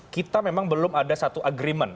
kita memang belum ada satu agreement